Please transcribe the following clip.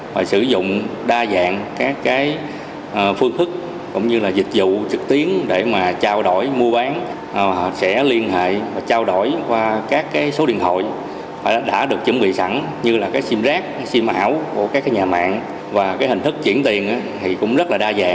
và sử dụng đa dạng các phương thức dịch vụ trực tiếp